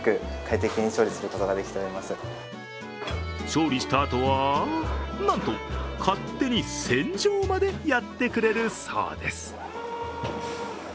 調理したあとは、なんと勝手に洗浄までやってくれるそうです。